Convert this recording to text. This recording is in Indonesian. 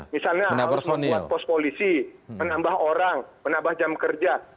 misalnya harus membuat pos polisi menambah orang menambah jam kerja